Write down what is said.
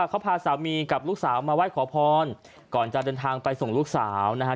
เขาพาสามีกับลูกสาวมาไหว้ขอพรก่อนจะเดินทางไปส่งลูกสาวนะฮะ